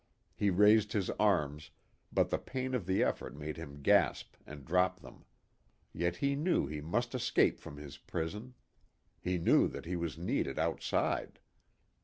He raised his arms, but the pain of the effort made him gasp and drop them. Yet he knew he must escape from his prison. He knew that he was needed outside.